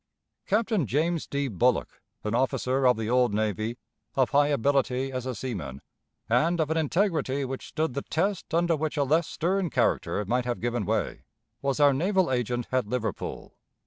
Captain James D. Bullock, an officer of the old navy, of high ability as a seaman, and of an integrity which stood the test under which a less stern character might have given way, was our naval agent at Liverpool.